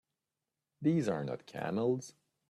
These are not camels!